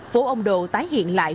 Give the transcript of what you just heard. phố ông đồ tái hiện lại